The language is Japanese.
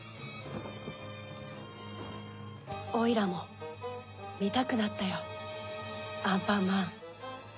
オイラもみたくなったよアンパンマン